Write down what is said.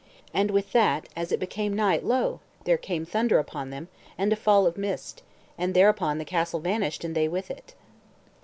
And with that, as it became night, lo! there came thunder upon them, and a fall of mist; and thereupon the castle vanished, and they with it.